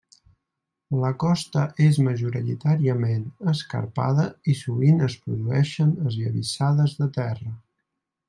La costa és majoritàriament escarpada i sovint es produeixen esllavissades de terra.